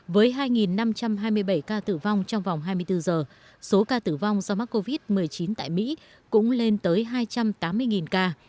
với hai năm trăm hai mươi bảy ca tử vong trong vòng hai mươi bốn giờ số ca tử vong do mắc covid một mươi chín tại mỹ cũng lên tới hai trăm tám mươi ca